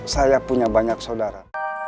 saya punya banyak saudara